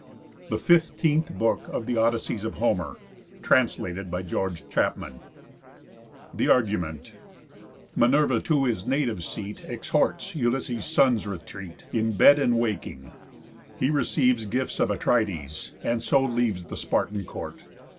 _ THE FIFTEENTH BOOK OF HOMER'S ODYSSEYS THE ARGUMENT Minerva to his native seat. Exhorts Ulysses' son's retreat, In bed, and waking. He receives Gifts of Atrides, and so leaves The Spartan court.